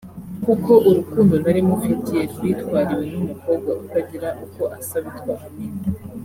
kuko urukundo nari mufitiye rwitwariwe n’umukobwa utagira uko asa witwa Amina